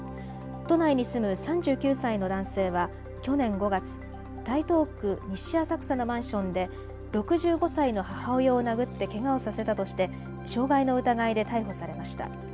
都内に住む３９歳の男性は去年５月、台東区西浅草のマンションで６５歳の母親を殴ってけがをさせたとして傷害の疑いで逮捕されました。